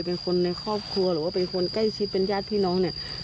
เป็นคนในครอบครัวหรือว่าเป็นคนใกล้ชิดเป็นญาติพี่น้องเนี่ย